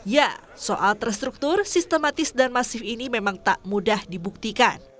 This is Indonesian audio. ya soal terstruktur sistematis dan masif ini memang tak mudah dibuktikan